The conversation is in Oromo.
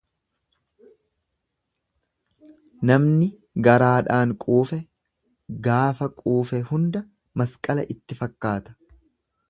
Namni garaadhaan quufe gaafa quufe hunda masqala itti fakkaata.